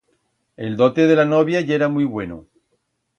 El dote de la novia yera muit bueno.